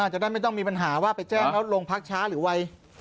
จะได้ไม่ต้องมีปัญหาว่าไปแจ้งแล้วโรงพักช้าหรือไว